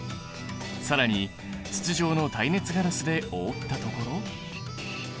更に筒状の耐熱ガラスで覆ったところ。